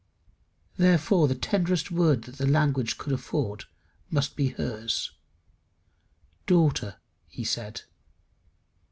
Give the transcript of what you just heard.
Therefore the tenderest word that the language could afford must be hers. "Daughter," he said.